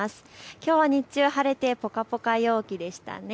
きょうは日中、晴れてぽかぽか陽気でしたね。